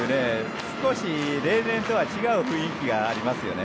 少し例年とは違う雰囲気がありますよね。